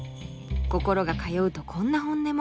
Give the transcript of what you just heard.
心が通うとこんな本音も。